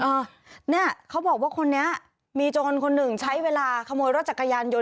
เออเนี่ยเขาบอกว่าคนนี้มีโจรคนหนึ่งใช้เวลาขโมยรถจักรยานยนต